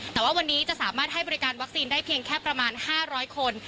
แต่ว่าวันนี้จะสามารถให้บริการวัคซีนได้เพียงแค่ประมาณ๕๐๐คน